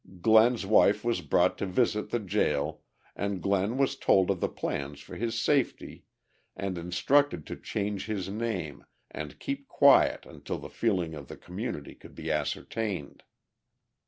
Glenn's wife was brought to visit the jail and Glenn was told of the plans for his safety, and instructed to change his name and keep quiet until the feeling of the community could be ascertained.